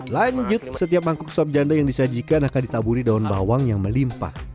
lanjut setiap mangkuk sop janda yang disajikan akan ditaburi daun bawang yang melimpah